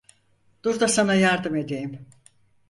Dur da sana yardım edeyim.